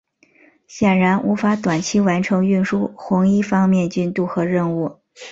显然无法短期完成运输红一方面军渡河任务。